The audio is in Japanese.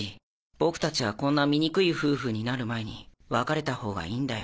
ボクたちはこんな醜い夫婦になる前に別れたほうがいいんだよ。